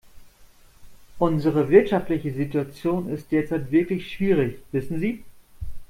Unsere wirtschaftliche Situation ist derzeit wirklich schwierig, wissen Sie.